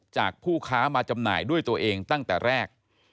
ผู้ค้ามาจำหน่ายด้วยตัวเองตั้งแต่แรก